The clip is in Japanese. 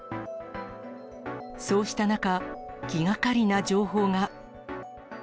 そうした中、気がかりな情報が。